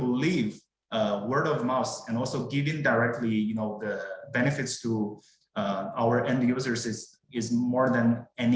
lebih dari sebagian dari pengumuman